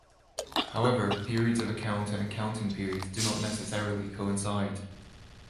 However, periods of account and accounting periods do not necessarily coincide.